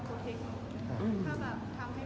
แล้วตอนนี้หนูรู้สึกไม่ว่าหนูกำลังทำอะไร